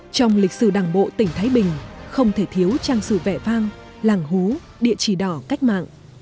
trong lịch sử đảng bộ tỉnh thái bình không thể thiếu trang sử vẻ vang làng hú địa chỉ đỏ cách mạng